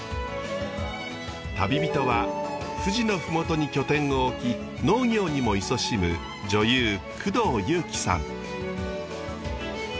旅人は富士の麓に拠点を置き農業にもいそしむ女優工藤夕貴さん。